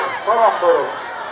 kita mencari turun turun